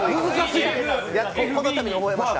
このために覚えました。